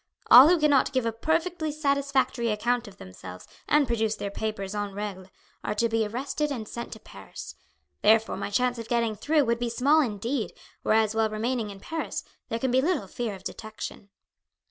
All who cannot give a perfectly satisfactory account of themselves and produce their papers en regle, are to be arrested and sent to Paris. Therefore, my chance of getting through would be small indeed, whereas while remaining in Paris there can be little fear of detection."